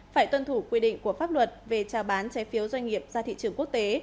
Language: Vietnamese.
phải tuân thủ quy định của pháp luật về trao bán trái phiếu doanh nghiệp ra thị trường quốc tế